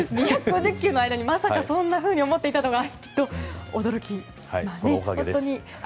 ２５０球の間にまさかそんなふうに思っていたとは驚きです！